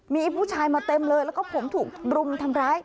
มีผู้ชายมาเต็มเลยแล้วก็ผมถูกรุมทำร้าย